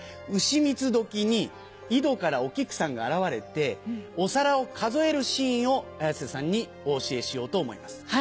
丑三つ時に井戸からお菊さんが現れてお皿を数えるシーンを綾瀬さんにお教えしようと思います。